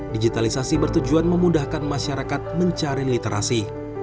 digitalisasi bertujuan memudahkan masyarakat mencari literasi